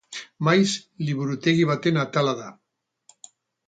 Maiz, liburutegi baten atala da.